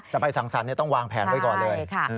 จะไปสั่งสรรค์ต้องวางแผนไว้ก่อนเลย